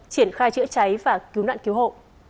triển khai chữa cháy và cứu nạn cứu hộ